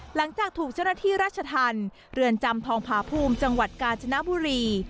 หลังจากถูกเจ้าหน้าที่ราชธรรมเรือนจำทองผาภูมิจังหวัดกาญจนบุรี